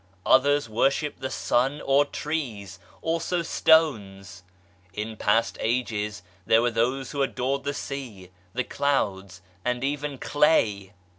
Others worship the sun or trees, also stones 1 In past ages there were those who adored the sea, the clouds, and even clay